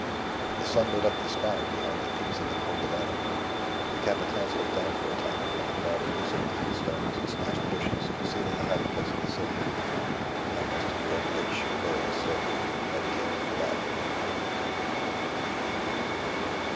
The sun lit up the sky behind the peaks of the Cordillera. The Capataz looked down for a time upon the fall of loose earth, stones, and smashed bushes, concealing the hiding place of the silver. "I must grow rich very slowly," he meditated, aloud.